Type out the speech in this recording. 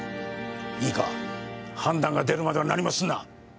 いいか判断が出るまでは何もするな。